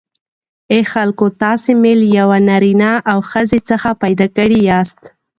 ای خلکو تاسی می له یوه نارینه او ښځی څخه پیداکړی یاست